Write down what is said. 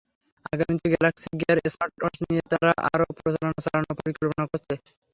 আগামীতে Galaxy Gear smartwatch নিয়ে তারা আরও প্রচারণা চালানোর পরিকল্পনা করেছে।